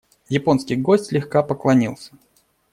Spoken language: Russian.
Японский гость слегка поклонился.